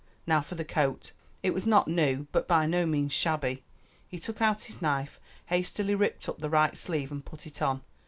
Now for the coat. It was not new, but by no means shabby. He took out his knife, hastily ripped up the right sleeve and put it on.